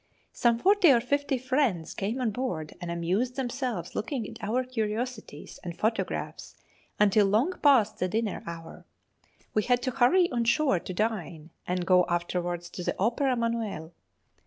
Some forty or fifty friends came on board and amused themselves looking at our curiosities and photographs until long past the dinner hour. We had to hurry on shore to dine, and go afterwards to the Opera Manoel.